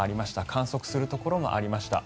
観測するところもありました。